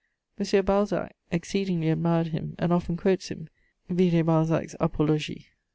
Monsieur Balzac exceedingly admired him and often quotes him: vide Balzac's Apologie.